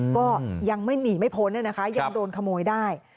ก็ยังไม่หนีไม่พ้นยังโดนขโมยได้